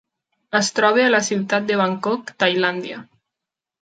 Es troba a la ciutat de Bangkok, Tailàndia.